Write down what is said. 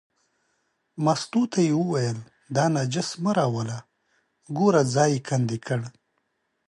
مستو ته یې وویل دا نجس مه راوله، ګوره ځای یې کندې کړ.